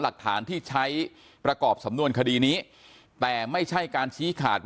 หลักฐานที่ใช้ประกอบสำนวนคดีนี้แต่ไม่ใช่การชี้ขาด